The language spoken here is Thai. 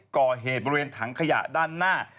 ก่อเหตุบริเวณถังขยะด้านหน้า